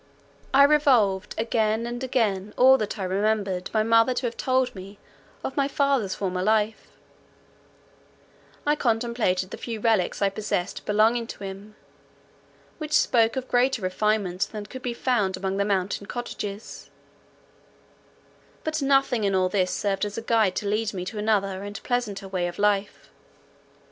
I revolved again and again all that I remembered my mother to have told me of my father's former life; I contemplated the few relics I possessed belonging to him, which spoke of greater refinement than could be found among the mountain cottages; but nothing in all this served as a guide to lead me to another and pleasanter way of life.